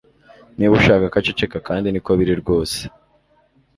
Niba ushaka ko aceceka kandi niko biri rwose